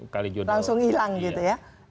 kali jodoh langsung hilang gitu ya